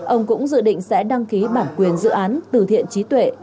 ông cũng dự định sẽ đăng ký bản quyền dự án từ thiện trí tuệ